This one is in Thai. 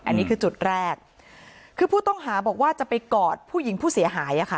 อันนี้คือจุดแรกคือผู้ต้องหาบอกว่าจะไปกอดผู้หญิงผู้เสียหายอ่ะค่ะ